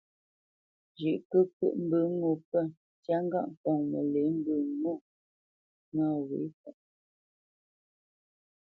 Zhʉ̌ʼ kəkyə́ʼ mbə ŋo pə̂ ntyá ŋgâʼ ŋkɔŋ məlě mbə nâ wě faʼ.